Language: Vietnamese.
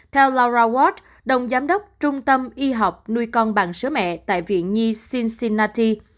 theo laura ward đồng giám đốc trung tâm y học nuôi con bằng sữa mẹ tại viện nhi cincinnati